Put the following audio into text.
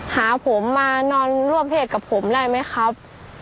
หาผมมานอนร่วมเพศกับผมได้ไหมครับ